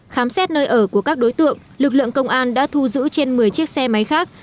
khám xét nơi ở của các đối tượng lực lượng công an đã thu giữ trên một mươi chiếc xe máy khác